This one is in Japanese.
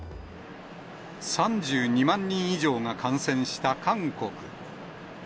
３２万人以上が感染した韓国。